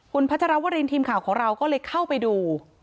คุณพัชรวรินทีมข่าวของเราก็เลยเข้าไปดู